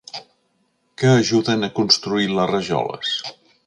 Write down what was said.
Què ajuden a construir les rajoles?